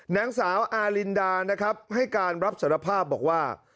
นางสาวอารินดานะครับให้การรับสารภาพบอกว่า